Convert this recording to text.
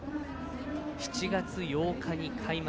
７月８日に開幕。